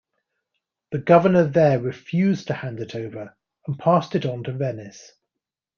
The governor there refused to hand it over, and passed it on to Venice.